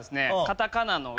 カタカナの「ノ」